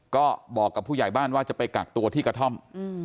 ก็บอกกับผู้ใหญ่บ้านว่าจะไปกักตัวที่กระท่อม